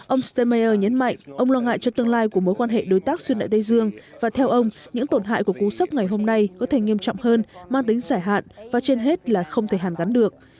ông stemmeier nhấn mạnh ông lo ngại cho tương lai của mối quan hệ đối tác xuyên đại tây dương và theo ông những tổn hại của cú sốc ngày hôm nay có thể nghiêm trọng hơn mang tính giải hạn và trên hết là không thể hàn gắn được